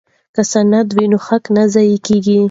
که سند وي نو حق نه ضایع کیږي.